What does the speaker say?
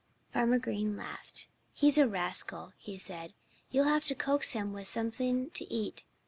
Farmer Green laughed. "He's a rascal," he said. "You'll have to coax him with something to eat.